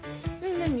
何？